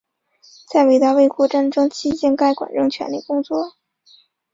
在伟大卫国战争期间该馆仍全力工作。